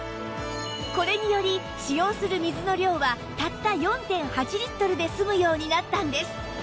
これにより使用する水の量はたった ４．８ リットルで済むようになったんです！